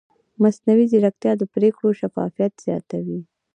مصنوعي ځیرکتیا د پرېکړو شفافیت زیاتوي.